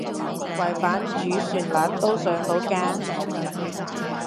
違反主旋律都上到架？